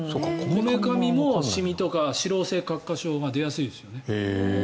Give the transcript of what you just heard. こめかみも脂漏性角化症が出やすいですよね。